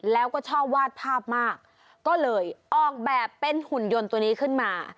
แล้วก็ชอบวาดภาพมากก็เลยออกแบบเป็นหุ่นยนต์ตัวนี้ขึ้นมา